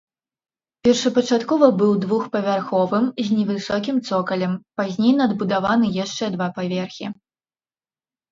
Першапачаткова быў двухпавярховым з невысокім цокалем, пазней надбудаваны яшчэ два паверхі.